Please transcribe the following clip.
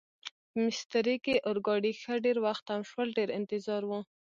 په میسترې کې اورګاډي ښه ډېر وخت تم شول، ډېر انتظار و.